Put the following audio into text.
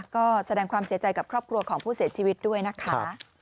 ก็แสดงความเสียใจกับครอบครัวของผู้เสียชีวิตด้วยนะคะ